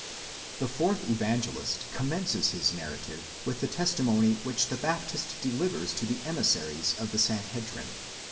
The fourth Evangelist com mences his narrative with the testimony which the Baptist delivers to the emissaries of the Sanhedrim (i.